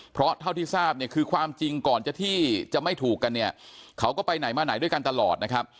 เพราะเท่าที่ทราบเนี่ยคือความจริงก่อนจะที่จะไม่ถูกกันเนี่ยเขาก็ไปไหนมาไหนด้วยกันตลอดนะครับ